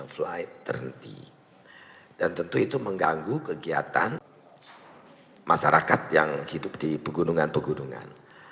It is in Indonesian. dua puluh dua puluh lima flight dan tentu itu mengganggu kegiatan masyarakat yang hidup di pegunungan pegunungan